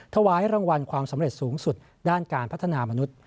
ถวายรางวัลความสำเร็จสูงสุดด้านการพัฒนามนุษย์